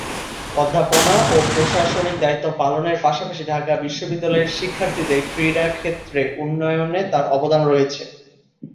অধ্যাপনা ও প্রশাসনিক দায়িত্ব পালনের পাশাপাশি ঢাকা বিশ্ববিদ্যালয়ে শিক্ষার্থীদের ক্রীড়া ক্ষেত্রে উন্নয়নে তার অবদান রয়েছে।